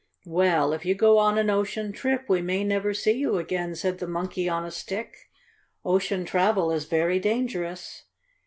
"Well, if you go on an ocean trip we may never see you again," said the Monkey on a Stick. "Ocean travel is very dangerous."